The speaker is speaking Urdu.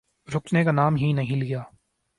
رکنے کا نام ہی نہیں لیا۔